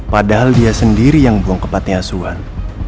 padahal dia sendiri yang buang kepatnya asuhan